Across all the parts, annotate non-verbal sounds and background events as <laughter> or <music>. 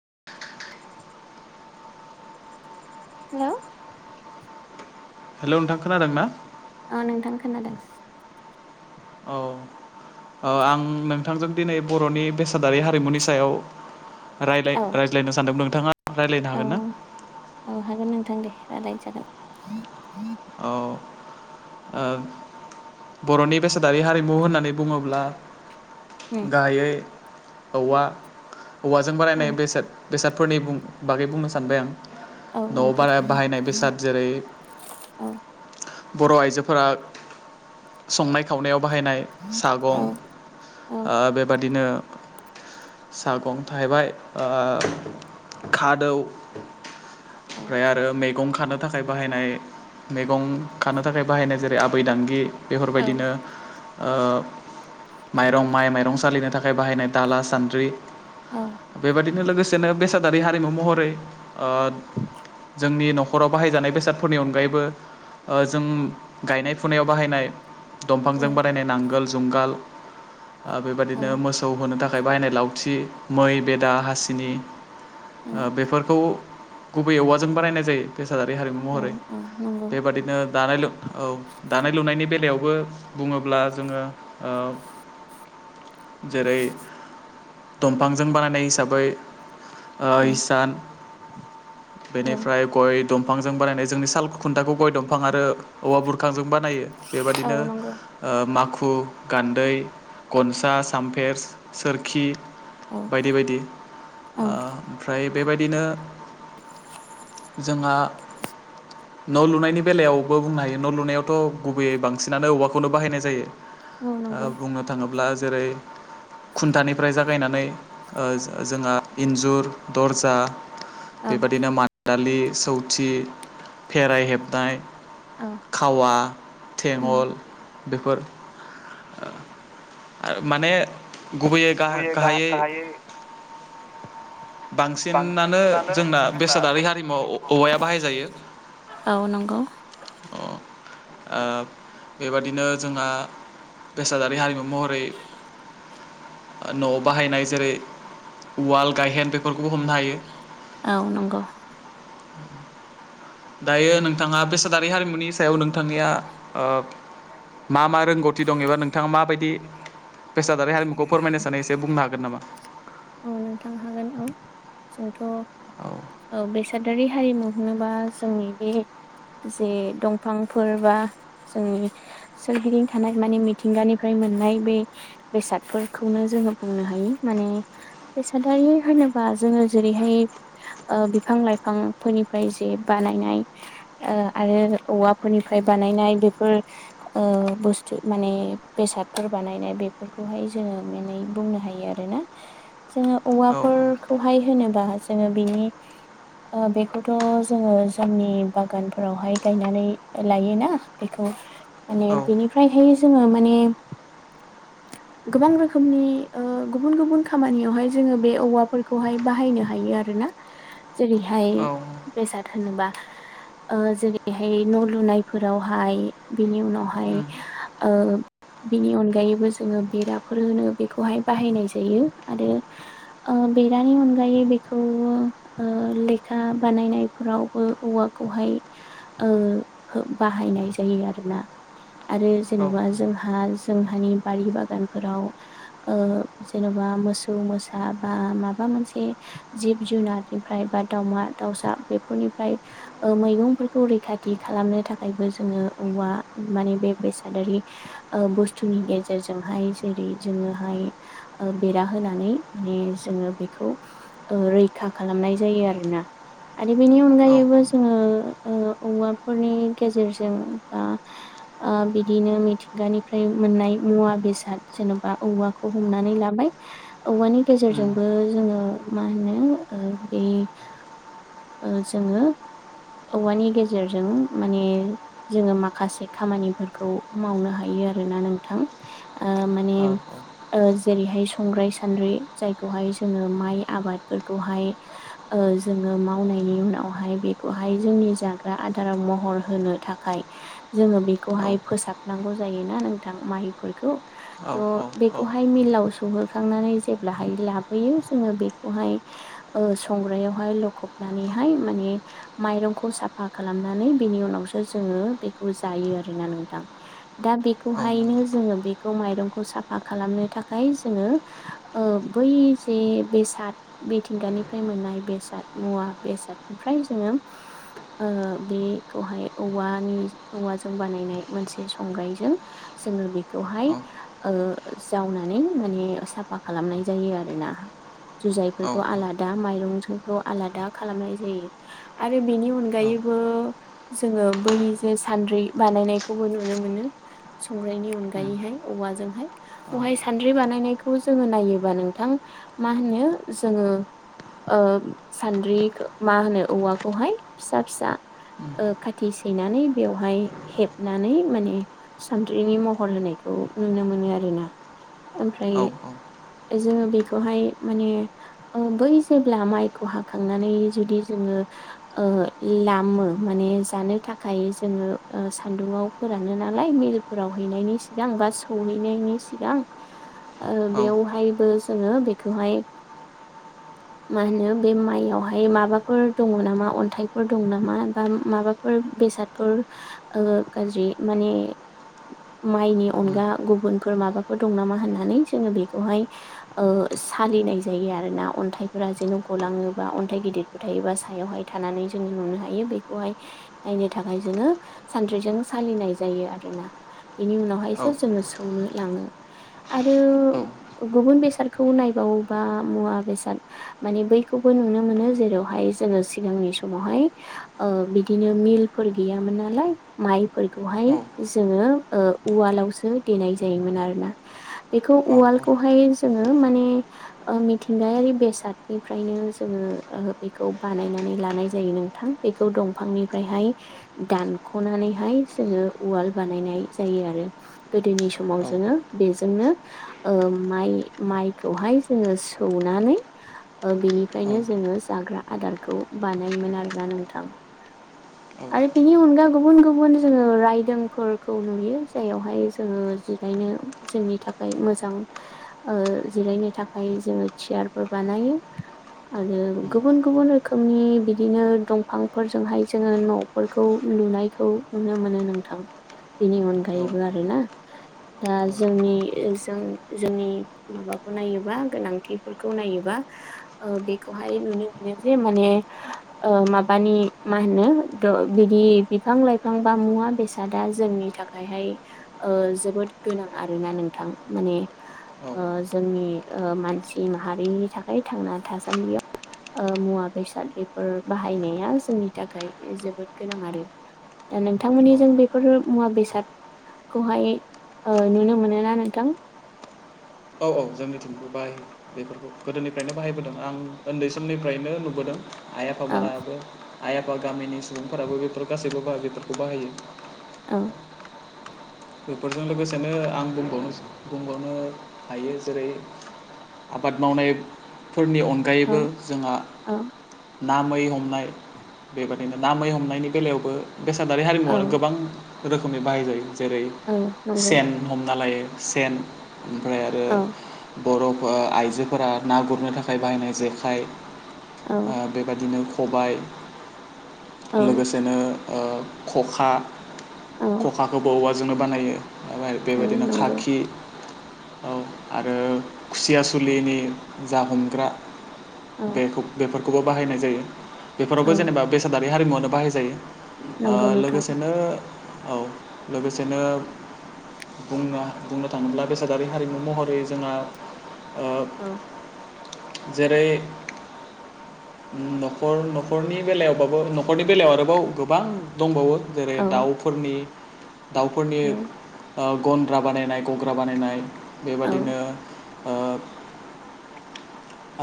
<inaudible> Hello hello नोंथां खोनादों ना औ नोंथां खोनादों औ अ आं नोंथांजों दिनै बर'नि बेसादारि हारिमुनि सायाव रायलाय औ रायज्लायनो सानदोंमोन औ औ हागोन नोंथां दे राज्लायनो जागोन औ ओ बर'नि बेसादारि हारिमु होननानै बुङोब्ला गाहायै औवा औवाजों औ बारायनाय बेसाद बेसादफोरनि बागै बुंनो सानबाय आं औ न'आव नोंथां बाहा बाहायनाय बेसाद जेरै औ बर' आइजोफोरा संनाय खावनायाव बाहायनाय औ सागं औ ओ बेबादिनो सागं थाहैबाय ओ खादौ औ ओमफ्राय आरो मैगं खानो थाखाय बाहायनाय मैगं खानो थाखाय बाहायनाय जेरै आबै दांगि बेफोरबायदिनो ओ माइरं माइ माइरं सालिनो थाखाय थाखाय बाहायनाय दाला सान्द्रि औ बेबायदि बे लोगोसेनो बेसादारि हारिमु महरै जोंनि न'खराव बाहायजानाय बेसादफोरनि अनगायैबो ओ जों गायनाय फुनायाव बाहायनाय दंफांजों बारायनाय नांगोल जुंगाल ओ‌ बेबायादिनो मोसौ होनो थाखाय बाहायनाय लावथि मै बेदा हासिनि। औ ओ बेफोरखौ गुबै औवाजों बानायनाय जायो‌। बेसादारि हारिमु औ महरै औ नंगौ बेबादिनो दानाय लु औ दानाय लुनायनि बे लायावबो बुङोब्ला जोङो जेरै दंफांजों बानायनाय हिसाबै ओ‌ औ हिसान औ बेनिफ्राय गय दंफांजों बानायनाय जोंनि साल खुन्थाखौ गय दंफां आरो औवा बुरखांजों बानायो। औ बेबादिनो नंगौ ओ माखु खु गान्दै गनसा सामफेर सोरखि औ बायदि बायदि औ ओमफ्राय बेबायदिनो जोंहा न' लुनायनि बेलायावबो बुंनो हायो न' लुनायावथ' गुब गुबैयै बांसिनानो औबवाखौनो बाहायनाय जायो औ ओ नंगौ बुंनो थाङोब्ला जेरै खुन्थानिफ्राय जागायनानै ओ ओ जोंहा इन्जुर दर्जा औ बेबादिनो मादालि सौथि फेराइ हेबनाय औ खावा थेमल बेफोर आरो माने गुबैयै गाहायै बांसिनानो जोंना बेसादारि हारिमुआव औवाया बाहायजायो। औ नंगौ। अ ओ बेबादिनो जोंहा बेसादारि हारिमु महरै न'आव बाहायनाय जेरै उवाल गायहेन बेफोरखौबो हमनो हायो। औ नंगौ दायो नोंथाङा बेसादारि हारिमुनि सायाव नोंथांनिया ओ मा मा रोंगौथि दं एबा नोंथाङा माबायदि बेसाद हारिमुखौ फोरमायनो सानो एसे बुंनो हागोन नामा? औ नोंथां हागोन औ जोंथ' औ बेसादारि हारिमु होनोबा जोंनि बे जे दंफांफोर बा जोंनि सोरगिदिं थानाय माने मिथिंगानिफ्राय मोननाय बे बेसादफोरखौनो जों जों बुंनो हायो माने बेसादारि होनोबा जोङो जेरैहाय बिफां लाइफांफोरनिफ्राय जे बानायनाय आरो औवाफोरनिफ्राय बानायनाय बेफोर ओ बुस्थु माने बेसादफोर बानायनाय बेफोरखौहाय जोङो माने बुंनो हायो आरो ना जोङो औ औवाफोरखौहाय होनोबा जोङो बिनि बेखौथ' जोङो जोंनि बागानफोरावहाय गायनानै लायोना बेखौ माने औ बेनिफ्रायहाय जोङो माने गोबां रोखोमनि ओ गुबुन गुबुन खामानियावहाय जोङो बे औवाफोरखौहाय बाहायनो हायो आरोना जेरै हाय औ बेसाद होनोबा ओ जेरैहाय न' लुनायफोरावहाय बेनि उनावहाय उम ओ बिनि अनगायैबो जोङो बेराफोर होनो बेखौहाय बाहायनाय जायो। आरो ओ बेरानि अनगायै बेखौ ओ लेखा बानायनायफोरावबो औवा खौहाय ओ बाहायनाय जायो आरोना। आरो औ जेन'बा जोंहा जोंहानि बारि बागानफोराव ओ जेन'बा मोसौ मोसा बा माबा मोनसे जिब जुनारनिफ्राय बा दाउमा दाउसा बेफोरनिफ्राय मैगंफोरखौ रैखाथि खालामनो थाखायबो जोङो औवा माने बे बेसादारि बुस्थुनि गेजेरजोंहाय जेरै जोङोहाय ओ बेरा होनानै माने जोङो बेखौ रैखा खालामनाय जायो आरोना। आरो बेनि उम अनगायैबो जोङो औवाफोरनि गेजेरजों बा ओ बिदिनो मिथिंगानिफ्राय मोननाय मुवा बेसाद जेन'बा औवाखौ हमनानै लाबाय <unintelligible> औवानि गेजेरजोंबो जोङो मा होनो ओ बे ओ जोङो औवानि गेजेरजों माने, जोङो माखासे खामानिफोरखौ मावनो हायो। आरोना नोंथां। ओ माने औ जेरैहाय संग्राय -सानद्रि जायखौहाय जोङो माइ आबादफोरखौहाय ओ जोङो माव <unintelligible> उनावहाय बेखौहाय जोंनि जाग्रा आदाराव महर होनो थाखाय जोङो बेखौ <unintelligible> औ फोसाबनांगौ जायोना नोंथां माइफोरखौ औ औ बेखौहाय मिलाव सौहोखांनानै जेब्लाहाय लाबोयो जोङो। बेखौहाय ओ संग्रायावहाय लखब <unintelligible> माने माइरंखौ साफा खालामनानै बेनि उनावसो जोङो बेखौ जायो। आरोना नोंथां। दा औ बेखौहायनो जोङो बेखौ माइरंखौ साफा खालामनो थाखाय जोङो ओ बै जे बेसाद मिथिंगानिफ्राय मोननाय बेसाद मुवा बेसादनिफ्राय जोङो ओ बेखौहाय औवानि, औवाजों बानायनाय मोनसे संग्रायजों जोङो बेखौहाय नंगौ ओ जावनानै माने साफा खालामनाय जायो आरोना। औ औ जुजायफोरखौ आलादा माइरं <unintelligible> आलादा खालामनाय जायो आरो बेनि औ अनायैबो जोङो बै सानद्रि बानायनायखौबो नुनो मोनो। संग्रायनि उम अनगायैहाय औवाजोंहाय औ <unintelligible> सानद्रि बानायनायखौ जोङो नायोबा नोंथां, मा होनो जोङो ओ सान्द्रि मा होनो औवाखौहाय फिसा -फिसा ओ खाथि सैनानै बेवहाय हेबनानै माने सान्द्रिनि महर होनायखौ नुनो मोनो आरो ना। औ औ। जोङो बेखौहाय माने बै जेब्ला माइखौ हाखांनानै जुदि जोङो ओ लामो माने जानो थाखाय जोङो सान्दुङाव फोरानो ना नालाय मिलफोराव हैनायनि सिगां बा सौहैनायनि सिगां ओ औ बेयावहायबो जोङो बेखौहाय मा होनो बे माइयावहाय माबाफोर दङ नामा अन्थाइफोर दङ नामा बा माबाफोर बेसादफोर ओ गाज्रि माने माइनि उम अनगा गुबुनफोर माबाफोर दं नामा होननानै जोङो बेखौहाय ओ सालिनाय जायो आरो ना अन्थाइ <unintelligible> जेन' गलाङोबा अन्थाइ गिदिरफोर थायोबा सायावहाय थानानै जोङो नुनो हायो बेखौहाय बिनि थाखाय जोङो सानद्रिजों सालिनाय जायो आरोना। बेनि औ औ उनावहायसो जोङो सौनो लाङो। आरो औ गुबुन बेसादखौ नायबावोबा मुवा- बेसाद माने बैखौबो नुनो मोनो। जेरावहाय जोङो सिगांनि समावहाय ओ बिदिनो मिल फोर गैयामोन नालाय माइफोरखौहाय औ जोङो ओ उवालावसो देनाय जायोमोन आरोना। बेखौ औ औ उम उवालखौहाय जोङो माने ओ मिथिंगायारि बे <unintelligible> जोङो ओ बेखौ बानायनानै लानाय जायो नोंथां। बेखौ दंफांनिफ्रायहाय दानख'नानैहाय जोङो उवाल बानायनाय जायो आरो। गोदोनि औ समाव जोङो बेजोंनो ओ माइ-माइखौहाय जोङो सौनानै ओ बिनिफ्रायनो जोङो जाग्रा आदारखौ बानायोमोन आरोना नोंथां। <unintelligible> आरो बिनि अनगा गुबुन- गुबुन जोङो रायदोंफोरखौ नुयो। जायावहाय जोङो जिरायनो जोंनि थाखाय मोजां। ओ जिरायनो थाखाय जोङो सियार <unintelligible> बानायो। आरो गुबुन- गुबुन रोखोमनि बिदिनो दंफांफोरजोंहाय जोङो न'फोरखौ लुनायखौ नुनो मोनो नोंथां। बेनि अनगायैबो आरोना। जोंनि जों-जोंनि माबाखौ नायोबा गोनांथिफोर <unintelligible> नायोबा ओ बेखौहाय नुनो मोने जे माने ओ माबानि मा होनो द बिदि बिफां लाइफां बा मुवा बेसादा जोंनि थाखायहाय ओ ओ जोबोद गोनां आरोना नोंथां माने औ ओ जोंनि ओ मानसि माहारिनि थाखाय थांना थासान्दियाव ओ मुवा बेसाद बेफोर बाहायनाया जोंनि थाखाय जोबोद गोनां आरो दा औ नोंथांमोननिजों बेफोर मुवा बेस साद खौहाय ओ नुनो मोनोना नोंथां? औ औ जोंनि थिंबो बाहायो बेफोरखौ गोदोनिफ्रायनो बाहायबोदों आं ओन्दै समनिफ्रायनो नुबोदों आइ आफा औ मोनाबो आइ आफा गामिनि सुबुंफोराबो बेफोर गासैबो बा बेफोरखौ बाहायो औ बेफोरजों लोगोसेनो आं बुंबावनो बुंबावनो हायो जेरै - आबाद मावनायफोरनि औ अनगायैबो जोंहा औ ना मै हमनाय बेबादिनो ना मै हमनायनि बेलायावबो बेसादारि औ हारिमुवानो गोबां रोखोमनि बाहाय जायो औ जेरै- नंगौ सेन हमना लायो सेन ओमफ्राय आरो औ बर' बा आइजोफोरा ना गुरनो थाखाय बाहायनाय जेखाइ औ ओ बेबायदिनो खबाय औ लोगोसेनो ओ ख'खा औ ख'खाखौबो औवाजोंनो बानायो अराय औ बेबायदिनो नंगौ खाखि औ आरो खुसिया सुलिनि जा हमग्रा औ बेखौ बेफोरखौबो बाहायनाय जायो बेफोरावबो औ जेनेबा बेसादारि हारिमुवानो बाहाय जायो। ओ नंगौ नोंथां लोगोसेनो औ लोगोसेनो बुंनो बुंनो थाङोब्ला बेसादारि हारिमु महरै जोंहा ओ औ जेरै - न'खर न'खरनि बेलायावबाबो न'खरनि बेलायाव आरोबाव गोबां दंबावो जेरै औ दाउफोरनि दाउफोरनि औ ओ गन्द्रा बानायनाय गग्रा बानायनाय औ बेबादिनो ओ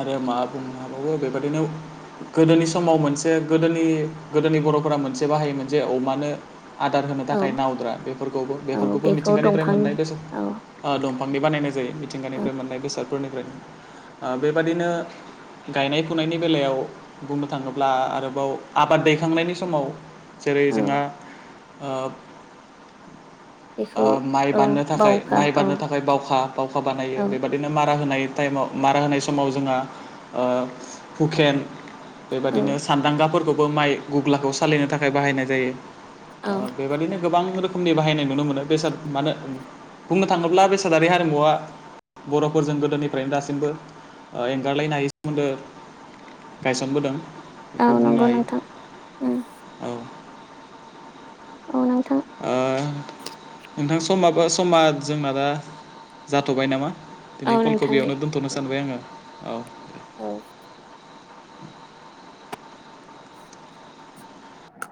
आरो मा बुंनो हाबावो बेबायदिनो गोदोनि समाव मोनसे गोदोनि गोदोनि बर'फोरा मोनसे बाहायोमोन जे अमानो आदार होनो औ थाखाय नावद्रा बेफोरखौबो औ बेफोरखौबो बेखौ मिथिंगानिफ्राय दंफांनि मोननाय गोसो औ ओ दं। <unintelligible> बानायनाय जायो औ मिथिंगानिफ्राय मोननाय बेसादफोरनिफ्रायनो ओ बेबादिनो गायनाय फुनायनि बेलायाव बुंनो थाङोब्ला आरोबाव आबाद दैखांनायनि समाव जेरै औ जोंहा ओ बेखौ ओ माइ औ बाननो थाखाय बावखा माइ औ बाननो थाखाय बावखा बावखा बानायो औ बेबायदिनो मा रा होनाय टाइमाव मारा होनाय समाव जोंहा ओ हुकेन औ बेबादिनो सान्दांगाफोरखौबो माइ गुग्लाखौ सालिनो थाखाय बाहायनाय जायो। ओ औ बेबायदिनो गोबां रो खोमनि बाहायनाय नुनो मोनो बेसाद मानो बुंनो थाङोब्ला बेसादारि हारिमुवा बर'फोरजों गोदोनिफ्रायनो दासिमबो ओ एंगारलायनो हायि सोमोन्दो गायसनबोदों। औ बेखौ बुंनो नंगौ हायो नोंथां उम औ। औ नोंथां ओ नोंथां समाबो समा जोंना दा जाथ'बाय नामा? औ दिनै नोंथां दे फुलकबियावनो दोन्थ'नो औ सानबाय आङो औ। औ। <inaudible>